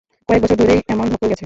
কয়েকবছর ধরেই এমন ধকল গেছে।